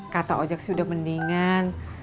kata ojek sih udah mendingan